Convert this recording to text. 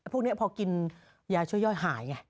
พวกนี้พอกินยายาช่วยหาย